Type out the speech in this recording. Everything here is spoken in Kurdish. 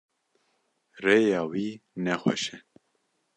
Rêya wî ne xweş e.